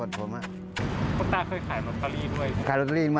น้ำเบียบ